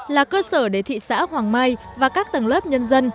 là cơ sở để thị xã hoàng mai và các tầng lớp nhân dân